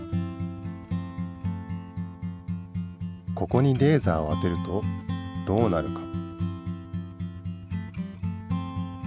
ここにレーザーを当てるとどうなるか？